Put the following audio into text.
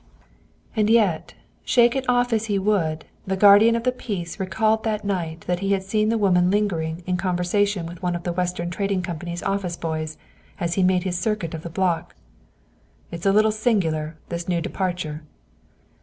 And yet, shake it off as he would, the guardian of the peace recalled that night that he had seen the woman lingering in conversation with one of the Western Trading Company's office boys, as he made his circuit of the block. "It is a little singular, this new departure."